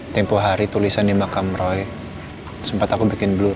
tempo hari tulisan di makam roy sempat aku bikin blue